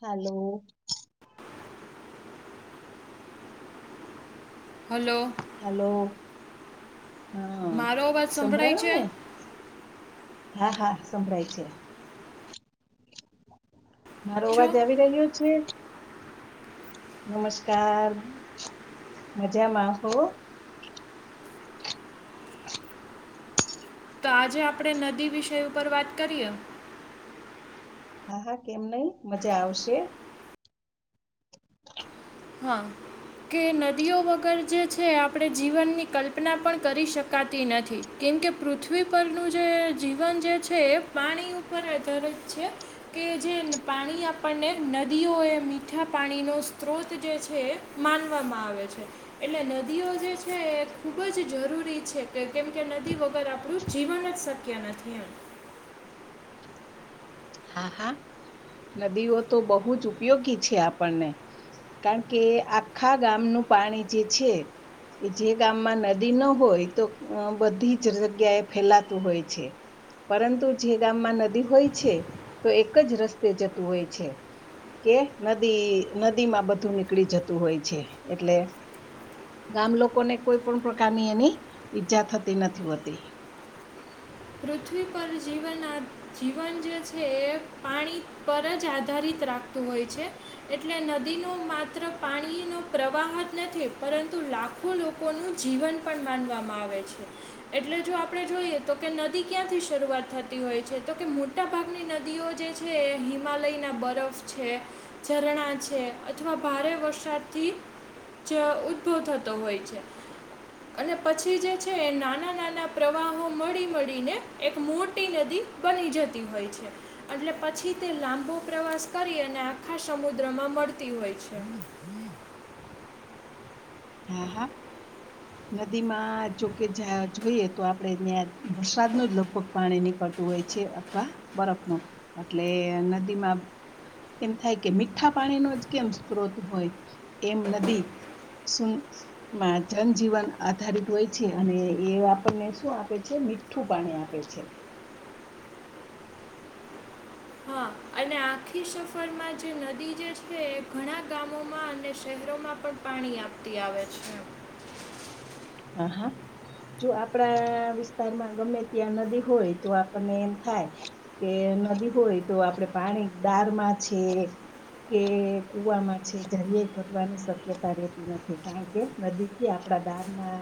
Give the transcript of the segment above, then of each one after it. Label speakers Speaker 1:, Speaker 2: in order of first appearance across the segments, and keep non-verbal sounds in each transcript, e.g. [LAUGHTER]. Speaker 1: હાલો.
Speaker 2: Hello.
Speaker 1: Hello હા
Speaker 2: મારો અવાજ સંભળાય
Speaker 1: સંભળાયો
Speaker 2: છે
Speaker 1: ને હા હા સભળાય છે. મારો
Speaker 2: છો
Speaker 1: અવાજ આવી રહ્યો છે? નમસ્કાર મજામાં હો [INAUDIBLE]
Speaker 2: તો આજે આપણે નદી વિષય ઉપર વાત કરીએ.
Speaker 1: હા હા કેમ નઈ મજા આવશે.
Speaker 2: હા. કે નદીઓ વગર જે છે આપણે જીવનની કલ્પના પણ કરી શકાતી નથી. કેમ કે પૃથ્વી પરનું જે જીવન જે છે એ પાણી ઉપર આધારિત છે. કે જે પાણી આપણને નદીઓ એ મીઠા પાણીનો સ્ત્રોત જે છે માનવામાં આવે છે. એટલે નદીઓ જે છે એ ખુબ જ જરૂરી છે કેમ કે નદી વગર આપણું જીવન જ સત ક્યાં નથી એમ
Speaker 1: હા હા નદીઓ તો બહુ જ ઉપયોગી છે આપણને કારણ કે આખા ગામનું પાણી જે છે. એ જે ગામમાં નદી ન હોય તો બધી જ જગ્યા એ ફેલાતું હોય છે. પરંતુ જે ગામમાં નદી હોય છે તો એક જ રસ્તે જતું હોય છે. કે નદી નદી માં બધું નીકળી જતું હોય છે એટલે ગામ લોકો ને કોઈ પણ પ્રકારની એની ઈજા થતી નથી હોતી.
Speaker 2: પૃથ્વી પર જીવન આ જીવન જે છે એ પાણી પર જ આધારિત રાખતું હોય છે. એટલે નદીનો માત્ર પાણીનો પ્રવાહ જ નથી પરંતુ લાખ ખું લોકોનું જીવન પણ માનવામાં આવે છે એટલે જો આપણે જોઈએ તો કે નદી ક્યાંથી શરૂઆત થતી હોય છે તો કે મોટાભાગની નદીઓ જે છે હિમાલયના બરફ છે ઝરણા છે અથવા ભારે વરસાદથી જ ઉદભવ થતો હોય છે. અને પછી જે છે નાના નાના પ્રવાહો મળી પડીને એક મોટી નદી બની જતી હોય છે. એટલે પછી તે લાંબો પ્રવાસ કરીએ ને આખા સમુદ્રમાં મળતી હોય છે.
Speaker 1: હા હા. નદીમાં જોકે જયાં જોઈએ તો આપડે ત્યાં વરસાદ ન જ લગભગ પાણી નીકળતું હોય છે અથવા બરફનું એટલે નદીમાં એમ થાય કે મીઠાં પાણીનો જ કેમ સ્ત્રોત હોય એમ નદી શું? માં જનજીવન આધારિત હોય છે અને એ આપન ને શું આપે છે મી મીઠું પાણી આપે છે.
Speaker 2: હા અને આખી સફરમાં જે નદી જે છે એ ઘણાં ગામોમાં અને શહેરોમાં પણ પાણી આપતી આવે છે.
Speaker 1: હા હા. જો આપડા વિસ્તારમાં ગમે ત્યાં નદી હોય તો આપન ને એમ થાય. કે નદી હોય તો આપડે પાણી દારમાં છે. કે કુવામાં છે જરાય ઘટવાની શક્યતા રહેેતી નથી કારણ કે નદી થી આપડા દાળ મા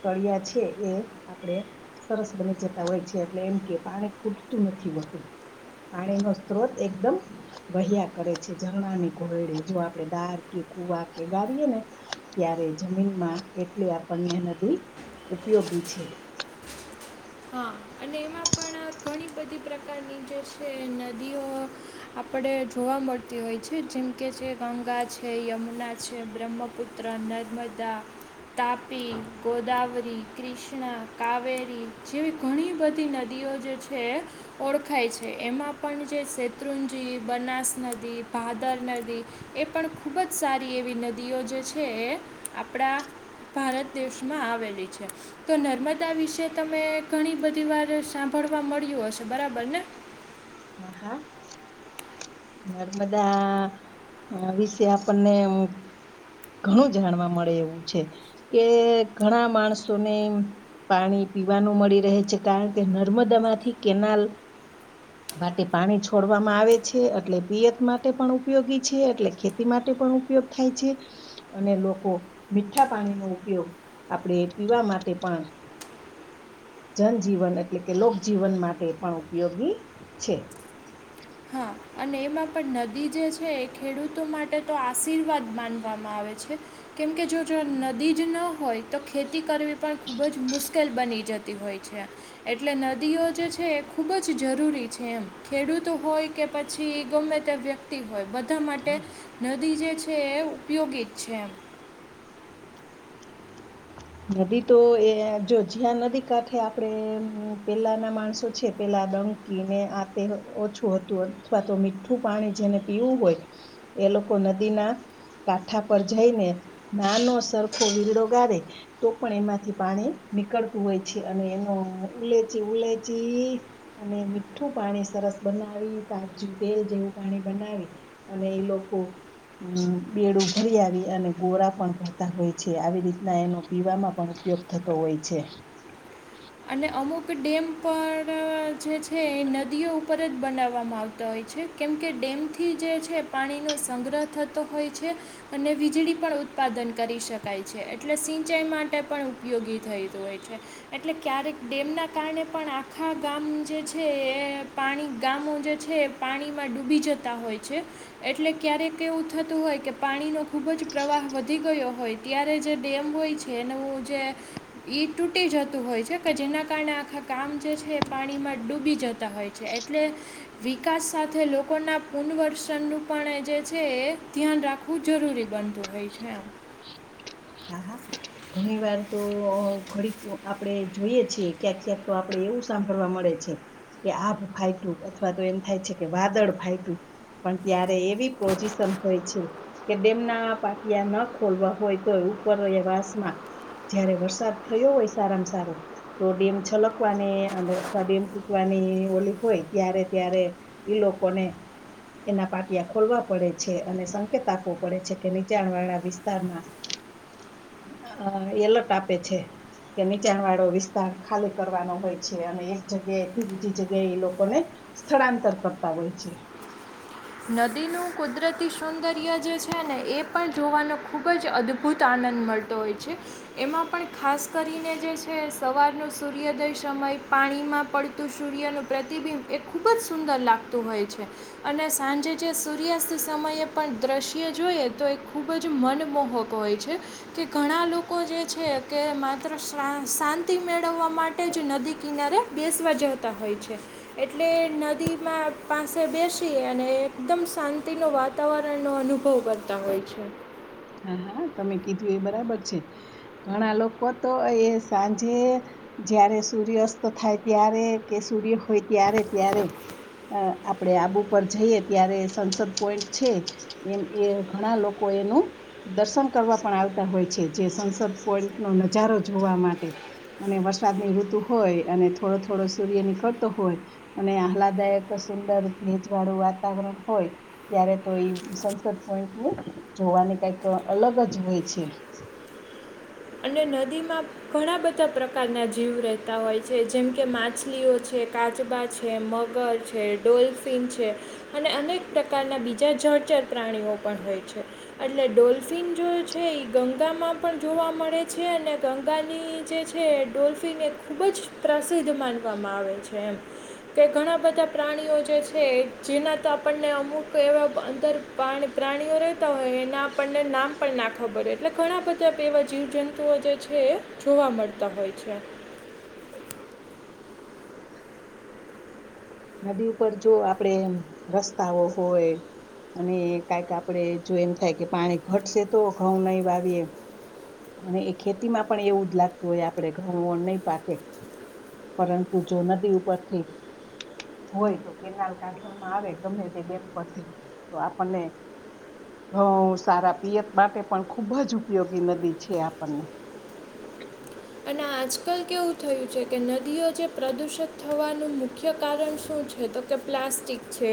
Speaker 1: કળિયા છે એ આપડે સરસ બની જતા હોય છે એટલે એમ કે પાણી ખૂટતું નથી હોતું. પાણીનો સ્ત્રોત એકદમ વહ્યા કરે છે ઝરણાને કોયડે જો આપડે વાર કે કુવા કે વાવીએ ને ત્યારે જમીનમાં એટલી આપણને નદી ઉપયોગી છે.
Speaker 2: હા અને એમાં પણ ઘણી બધી પ્રકારની જે છે નદીઓમાં આપણે જોવા મળતી હોય છે જેમકે જે કે ગંગા છે યમુના છે બ્રહ્મપુત્ર ત્રણ નર્મદા. તાપી ગોદાવરી કૃષ્ણા કાવેરી જેવી ઘણી બધી નદીઓ જે છે. ઓળખાય છે એમાં પણ જે શેત્રુંજી બનાસ નદી ભાદર નદી એ પણ ખૂબ જ સારી એવી નદીઓ જે છે એ આપણા ભારત દેશમાં આવેલી છે તો નર્મદા વિશે તમે ઘણી બધી વાર સાંભળવા મળ્યું હશે બરાબર ને
Speaker 1: હા હા. નર્મદા અ વિશે આપણને ઘણું જાણવા મળે એવું છે કે ઘણા માણસોને પાણી પીવાનું મળી રહે છે કારણ કે નર્મદામાંથી કેનાલ માટે પાણી છોડવામાં આવે છે અથ એટલે પિયત માટે પણ ઉપયોગી છે એટલે ખેતી માટે પણ ઉપયોગ થાય છે. અને લોકો મીઠા પાણીનો ઉપયોગ આપણેે પીવા માટે પણ જનજીવન એટલે કે લોકજીવન માટે પણ ઉપયોગી છે.
Speaker 2: હા અને એમાં પણ નદી જે છે એ ખેડૂતો માટે તો આશીર્વાદ માનવામાં આવે છે. કેમકે જો જો નદી જ ન હોય તો ખેતી કરવી પણ ખુબ જ મુશ્કેલ બની જતી હોય છે. એટલે નદીઓ જે છે એ ખૂબ જ જરૂરી છે એમ ખેડૂત ડુતો હોય કે પછી ગમે તે વ્યક્તિ હોય બધા માટે નદી જે છે એ ઉપયોગી જ છે એમ
Speaker 1: નદી તો એ જો જ્યાં નદી કાંઠે આપણે પેલા ના માણસો છે પેલા ડં કી ને આ તે ઓછું હતું અથવા તો મીઠું પાણી જેને પીવું હોય. એ લોકો નદીના કાંઠા પર જઈને નાનો સરખો વીરડો ગાડે તો પણ એમાંથી પાણી નીકળતું હોય છે અને એનો ઉલેચી ઉલેચી અને મીઠું પાણી સરસ બનાવી તાજું તેલ જેવું પાણી બનાવી અને એ લોકો હમ બેડું ભરી આવી અને ગોરા પણ ભરતા હોય છે આવી રીતના એનો પીવામાં પણ ઉપયોગ થતો હોય છે.
Speaker 2: અને અમુક ડેમ પણ જે છે એ નદીઓ ઉપર જ બનાવવામાં આવતા હોય છે. કેમકે ડેમથી જે છે પાણીનો સંગ્રહ થતો હોય છે. અને વીજળી પણ ઉત્પાદન કરી શકાય છે એટલે સિંચાઈ માટે પણ ઉપયોગી થઈ હોય છે. એટલે ક્યારેક ડેમના કારણે પણ આખા ગામ જે છે એ પાણી ગામો જે છે પાણીમાં ડૂબી જતા હોય છે. એટલે ક્યારેક એવું થતું હોય કે પાણીનો ખુબ જ પ્રવાહ વધી ગયો હોય ત્યારે જે ડેમ હોય છે એનું હ જે ઈ ટૂટી જ તું હોય છે કે જેના કારણે આખા ગામ જે છે એ પાણીમાં ડૂબી જતા હોય છે એટલે વિકાસ સાથે લોકોના પુનવર્સનનું પણ જે છે એ ધ્યાન રાખ વુ જરૂરી બનતું હોય છે એમ.
Speaker 1: હા હા ઘણી વાર તો ઓ ઘડીક આપણે જોઈએ છીએ ક્યાંક ક્યાંક તો આપડે એવું સાંભળવા મળે છે. કે આભ ફાઇટું અથવા તો એમ થાય છે કે વાદળ ફાઇટું પણ ત્યારે એવી પોઝિશન હોય છે. કે ડેમના પાટિયા ન ખોલવા હોય તોય ઉપર વાસમાં જયારે વરસાદ થયો હોય સારામાં સારો તો ડેમ છલકવાની અને અથવા ડેમ તૂટવાની ઓલી હોય ત્યારે ત્યારે ઈ લોકોને એના પાટિયા ખોલવા પડે છે અને સંકેત આપવો પડે છે કે નીચાણ વાળા વિસ્તાર માં હ એલર્ટ આપે છે કે નીચાણ વાળો વિસ્તાર ખાલી કરવાનો હોય છે અને એક જગ્યાએ થી બીજી જગ્યાએ એ લોકોને સ્થળાંતર કરતા હોય છે.
Speaker 2: નદીનું કુદરતી સૌદર્ય જે છે ને એ પણ જોવાનો ખૂબ જ અદભુત આનંદ મળ તો હોય છે. એમાં પણ ખાસ કરીને જે છે સવાર ન સૂર્યોદય સમય પાણીમાં પડ તુ સૂર્ય નું પ્રતિબિંબ એ ખુબ જ સુંદર લાગતું હોય છે અને સાંજે જે સૂર્યાસ્ત સમયે પણ દ્રશ્ય જોઈએ તો એ ખૂબ જ મનમોહક હોય છે. કે ઘણા લોકો જે છે કે માત્ર સા શાંતિ મેળવવા મા ટે જ નદી કિનારે બેસવા જતા હોય છે. એટલે નદી માં પાસે બેસી એ અને એકદમ શાંતિ નો વાતાવરણ નો અનુભવ કરતા હોય છે.
Speaker 1: હા હા તમે કીધું એ બરાબર છે ઘણા લોકો તો એ સાંજે જ્યારે સૂર્યસ્ત થાય ત્યારે કે સૂર્ય હોય ત્યારે ત્યારે અ આપડે આબુ પર જઈએ ત્યારે સંસદ પોઈન્ટ છે. એમ એ ઘણા લોકો એનું દર્શન કરવા પણ આવતા હોય છે જે સંસદ પોઈન્ટ નો નજારો જોવા માટે અને વરસાદ ની ઋતુ હોય અને થોડો થોડો સૂર્ય નીકરતો હોય. અને આહલાદાયક સુંદર ભેજવાળું વાતાવરણ હોય ત્યારે તો એ સંસદ પોઈન્ટ ને જોવાને કઈક અલગ જ હોય છે.
Speaker 2: અને નદીમાં ઘણા બધા પ્રકારના જીવ રહેતા હોય છે જેમ કે માછલીઓ છે કાચબા છે એ મગર છે, ડોલ્ફિન છે, અને અનેક પ્રકારના બીજા જળચર પ્રાણીઓ પણ હોય છે. એટલે ડોલ્ફિન જો છે ગંગામાં પણ જોવા મળે છે અને ગંગાની જે છે ડોલ્ફિન એ ખુબ જ પ્રસિદ્ધ માનવામાં આવે છે એમ. તે ઘણા બધા પ્રાણીઓ જે છે જેના તો આપણને અમુક એવા અંદર પાણ પ્રાણીઓ રહેતા હોય એના આપણને નામ પણ ના ખબર હો એટલે ઘણા બધા એવા જીવ જંત તુ ઓ જે છે એ જોવા મળતા હોય છે.
Speaker 1: નદી ઉપર જો આપડે એમ રસ્તાઓ હોય અને કાંઇક આપડણે જો એમ થાય કે પાણી ઘટશે તો ઘઉં નઈ વાવીએ અને એ ખેતીમાં પણ એવું જ લાગતું હોય આપડે ઘઉં નહી પાકે પરંતુ જો નદી ઉપરથી હોય તો કેનાલ કાઢવામાં આવે ગમે તે ડેમ પર થઈ તો આપણને હ સારા પિયત માટે પણ ખૂબ જ ઉપયોગી નદી છે આપણને [INAUDIBLE]
Speaker 2: અને આજકાલ કેવું થયું છે કે નદીઓ જે પ્રદૂષિત થવાનું મુખ્ય કારણ શું છે તો કે પ્લાસ્ટિક છે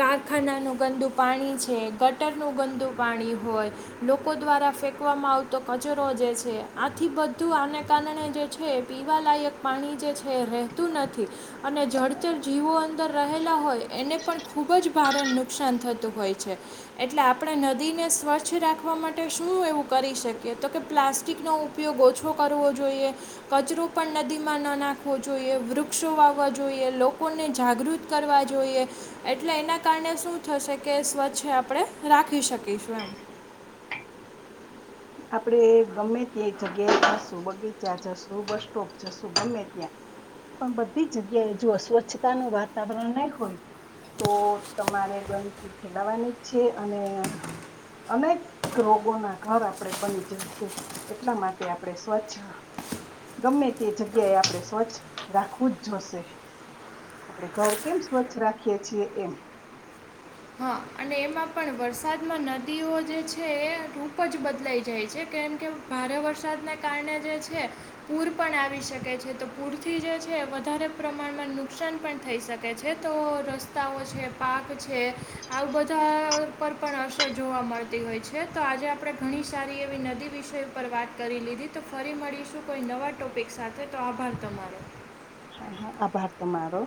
Speaker 2: કારખાનાનું ગંદુ પાણી છે ગટરનું ગંદુ પાણી હોય લોકો દ્વારા ફેંકવામાં આવતો કચરો જે છે આથી બધું આને કારણે જે છે એ પીવા લાયક પાણી જે છે રહેતું નથી અને જળચર જીવો અંદર રહેલા હોય એને પણ ખૂબ જ ભારે નુકસાન થતું હોય છે એટલે આપણે નદીને સ્વચ્છ રાખવા માટે શું એવું કરી શકીએ તો કે પ્લાસ્ટિકનો ઉ ઉપયોગ ઓછો કરવો જોઈએ કચરો પણ નદીમાં ન નાખવો જોઈએ વૃક્ષો વાવવા જોઈએ લોકોને જાગૃત કરવા જોઈએ એટલે એના કારણે શું થશે કે સ્વચ્છ આપડે રાખી શકીશું એમ
Speaker 1: આપણે ગમે ત્યાં એ જગ્યા જાશું બગીચા જશું બસ સ્ટોપ જશું ગમે ત્યાં. પણ બધી જગ્યાએ જો અસ્વચ્છતા ન વાતાવરણ નહી હોય. તો તમારે ગંદકી ફેલાવાની જ છે અને અનેક રોગોના ઘરે બની જઈશું એટલા માટે આપણે સ્વચ્છ ગમે તે જગ્યાએ આપણે સ્વચ્છ રાખવું જ જોશે. આપડે ઘર કેમ સ્વચ્છ રાખીએ છીએ એમ.
Speaker 2: હા અને એમાં પણ વરસાદમાં નદીઓ જે છે એ રૂપ જ બદલાઈ જાય છે કેમ કે ભારે વરસાદને કારણે જે છે. પૂર પણ આવી શકે છે તો પૂરથી જે છે વધારે પ્રમાણમાં નુકસાન પણ થઈ શકે છે તો રસ્તાઓ છે પાાર્ક છે. આ બધા પર પણ અસર જોવા મળતી હોય છે તો આજે આપણે ઘણી સારી એવી નદી વિષ પર વાત કરી લીધી તો ફરી મળીશું કોઈ નવા ટોપિક સાથે તો આભાર તમારો.
Speaker 1: હા હા આભાર તમારો.